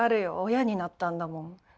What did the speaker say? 親になったんだもん。